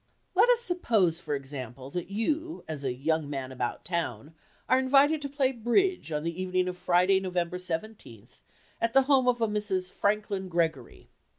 Let us suppose, for example, that you, as a "young man about town," are invited to play "bridge" on the evening of Friday, November seventeenth, at the home of Mrs. Franklin Gregory.